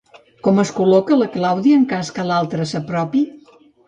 Com es col·loca la Clàudia en cas que l'altre s'apropi?